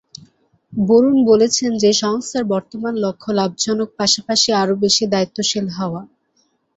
বরুণ বলেছেন যে সংস্থার বর্তমান লক্ষ্য লাভজনক পাশাপাশি আরও বেশি দায়িত্বশীল হওয়া।